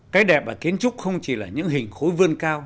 cái đẹp ở kiến trúc không chỉ là những hình khối vươn cao